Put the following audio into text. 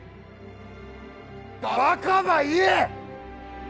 バカば言え！